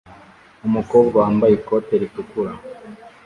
Umukobwa wambaye ikote ritukura